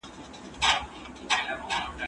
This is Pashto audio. هغه څوک چي چپنه پاکوي منظم وي!؟